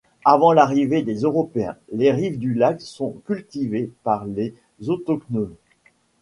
Avant l'arrivée des Européens, les rives du lac sont cultivées par les autochtones.